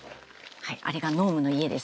あれがノームの家です。